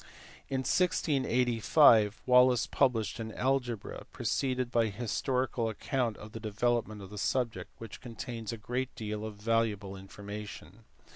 In 1685 Wallis published an Algebra, preceded by a his torical account of the development of the subject, which contains a great deal of valuable information.